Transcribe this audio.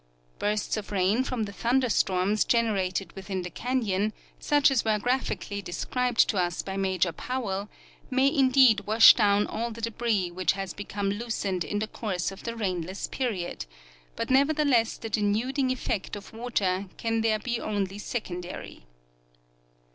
Bursts of rain from thunder storms generated within the canyon, such as were graphically described to us by Major Powell, may indeed wash down all the debris which has become loosened in the course of the rainless period, but nevertheless the denuding eff"ect of water can there be only secondary.